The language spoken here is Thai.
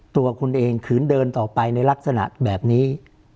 ตัวคุณเองขืนเดินต่อไปในลักษณะแบบนี้